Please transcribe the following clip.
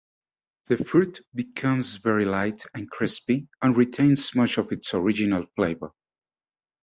The fruit becomes very light and crispy and retains much of its original flavor.